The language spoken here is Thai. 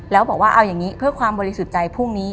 แล้วบอกว่าเอาอย่างนี้เพื่อความบริสุทธิ์ใจพรุ่งนี้